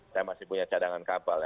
saya masih punya cadangan kapal ya